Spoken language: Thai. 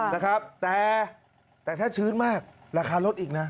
นะครับแต่ถ้าชื้นมากราคาลดอีกนะ